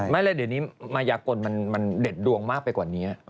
ไม่แล้วเดี๋ยวนี้มายากลมันเด็ดดวงมากไปกว่านี้